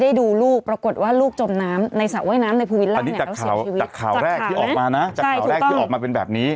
ที่ออกมานะจากข่าวแรกที่ออกมาเป็นแบบนี้